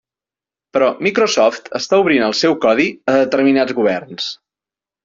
Però Microsoft està obrint el seu codi a determinats governs.